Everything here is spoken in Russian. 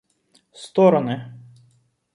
стороны